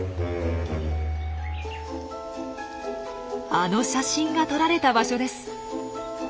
あの写真が撮られた場所です。